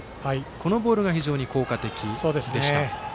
このボールが非常に効果的でした。